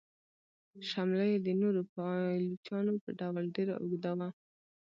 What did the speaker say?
شمله یې د نورو پایلوچانو په ډول ډیره اوږده وه.